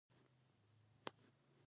خیال د شعر له مهمو عنصرو څخه دئ.